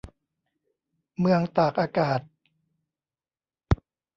เมืองตากอากาศ